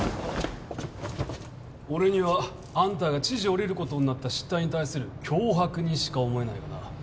俺にはあんたが知事を降りることになった失態に対する脅迫にしか思えないがな。